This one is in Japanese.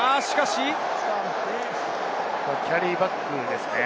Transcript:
キャリーバックですね。